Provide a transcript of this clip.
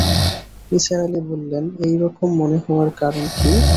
নিসার আলি বললেন, এই রকম মনে হওয়ার কারণ কি?